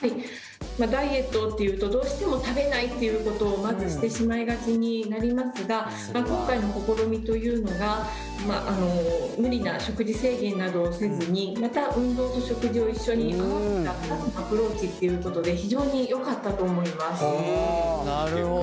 ダイエットっていうとどうしても食べないっていうことをまずしてしまいがちになりますが今回の試みというのが無理な食事制限などをせずにまた運動と食事を一緒に合わせたアプローチっていうことで非常によかったと思います。